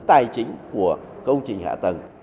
tài chính của công trình hạ tầng